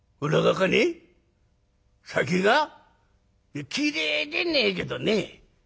いや嫌えでねえけどね。